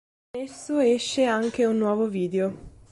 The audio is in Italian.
Con esso esce anche un nuovo video.